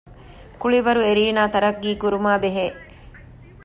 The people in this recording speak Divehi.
ކުޅިވަރު އެރީނާ ތަރައްޤީކުރުމާ ބެހޭ